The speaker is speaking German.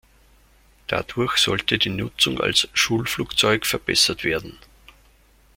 Dadurch sollte die Nutzung als Schulflugzeug verbessert werden.